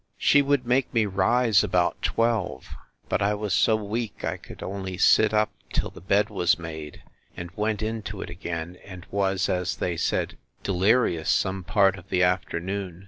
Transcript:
She would make me rise about twelve: but I was so weak, I could only sit up till the bed was made, and went into it again; and was, as they said, delirious some part of the afternoon.